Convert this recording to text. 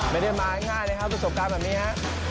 ไม่ได้มาง่ายเลยครับประสบการณ์แบบนี้ฮะ